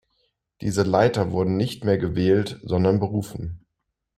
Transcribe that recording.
Diese Leiter wurden nicht mehr gewählt, sondern berufen.